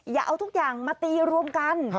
อย่าเอาทุกอย่างมาตีรวมกัน